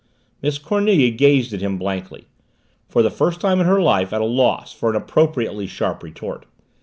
Miss Cornelia gazed at him blankly, for the first time in her life at a loss for an appropriately sharp retort.